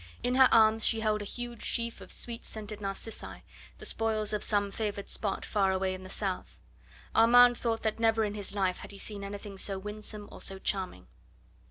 In her arms she held a huge sheaf of sweet scented narcissi, the spoils of some favoured spot far away in the South. Armand thought that never in his life had he seen anything so winsome or so charming.